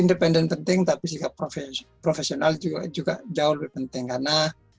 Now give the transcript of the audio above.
independen penting tapi sikap profesional juga jauh lebih penting karena